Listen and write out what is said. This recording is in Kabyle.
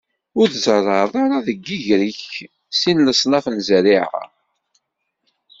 Ur tzerrɛeḍ ara deg yiger-ik sin n leṣnaf n zerriɛa.